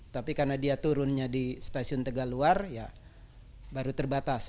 tapi karena dia turunnya di stasiun tegaluar ya baru terbatas